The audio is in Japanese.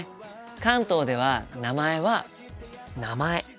関東では名前は「名前」。